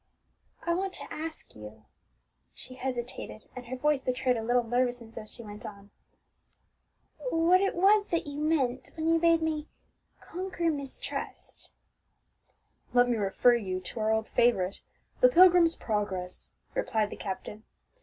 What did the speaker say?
"I want to ask you," she hesitated, and her voice betrayed a little nervousness as she went on, "what it was that you meant when you bade me conquer Mistrust?" "Let me refer you to our old favourite, the Pilgrim's Progress," replied the captain.